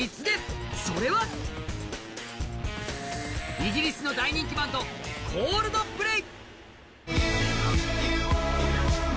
イギリスの大人気バンド、Ｃｏｌｄｐｌａｙ。